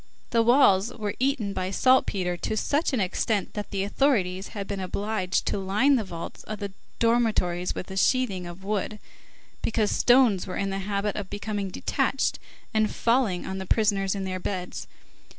The walls were eaten by saltpetre to such an extent that the authorities had been obliged to line the vaults of the dormitories with a sheathing of wood, because stones were in the habit of becoming detached and falling on the prisoners in their beds.